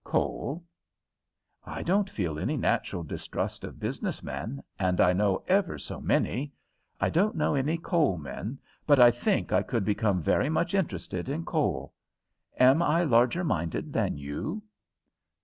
"Coal." "I don't feel any natural distrust of business men, and I know ever so many. I don't know any coal men, but I think I could become very much interested in coal. Am I larger minded than you?"